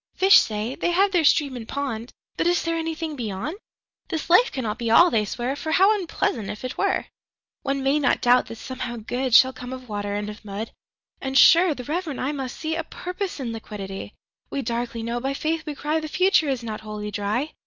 5Fish say, they have their Stream and Pond;6But is there anything Beyond?7This life cannot be All, they swear,8For how unpleasant, if it were!9One may not doubt that, somehow, Good10Shall come of Water and of Mud;11And, sure, the reverent eye must see12A Purpose in Liquidity.13We darkly know, by Faith we cry,14The future is not Wholly Dry.